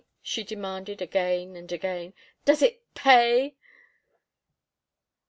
she demanded again and again. "Does it pay?"